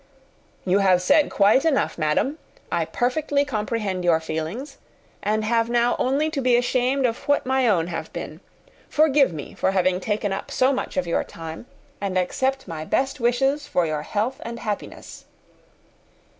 "You have said quite enough, madam. I perfectly comprehend your feelings, and have now only to be ashamed of what my own have been. Forgive me for having taken up so much of your time, and accept my best wishes for your health and happiness."